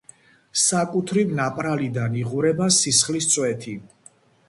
საკუთრივ ნაპრალიდან იღვრება სისხლის წვეთი.